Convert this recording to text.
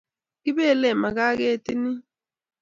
Kibelee makaa ketinni